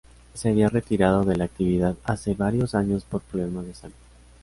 Se había retirado de la actividad hacía varios años por problemas de salud.